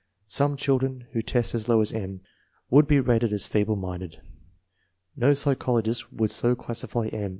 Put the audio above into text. Some children who test as low as M. would be rated as feeble minded. No psychologist would so classify M.